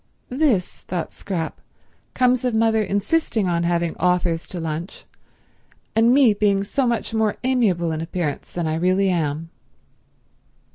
"This," thought Scrap, "comes of mother insisting on having authors to lunch, and me being so much more amiable in appearance than I really am."